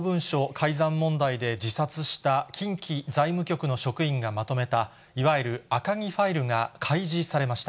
改ざん問題で自殺した近畿財務局の職員がまとめた、いわゆる赤木ファイルが開示されました。